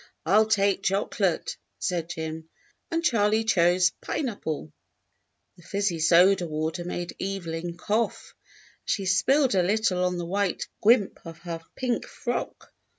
"I'll take chocolate," said Jim; and Charley chose pineapple. The fizzy soda water made Evelyn cough, and she spilled a little on the white guimpe of her pink frock.